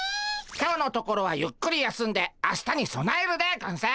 今日のところはゆっくり休んで明日にそなえるでゴンス！